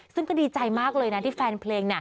ซึ่งก็ดีใจมากเลยนะที่แฟนเพลง